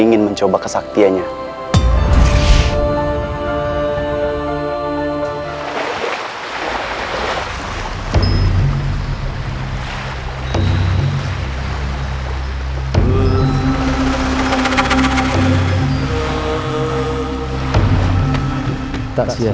kemencial atau untuk menorangkannya